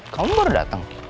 kamu baru datang